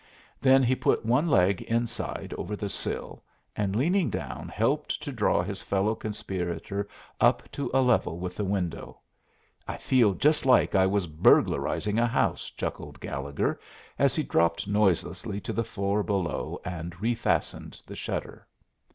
Then he put one leg inside over the sill, and leaning down helped to draw his fellow conspirator up to a level with the window. "I feel just like I was burglarizing a house," chuckled Gallegher, as he dropped noiselessly to the floor below and refastened the shutter.